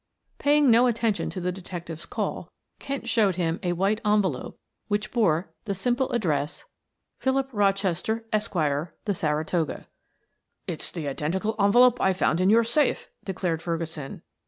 Paying no attention to the detective's call, Kent showed him a white envelope which bore the simple address: PHILIP ROCHESTER, ESQ. THE SARATOGA "It's the identical envelope I found in your safe," declared Ferguson.